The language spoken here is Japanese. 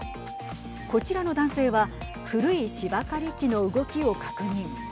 こちらの男性は古い芝刈り機の動きを確認。